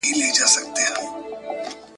په تورو شپو کي واچاوه.